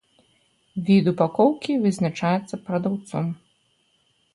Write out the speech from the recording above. Від упакоўкі вызначаецца прадаўцом.